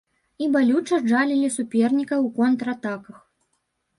І балюча джалілі суперніка ў контратаках.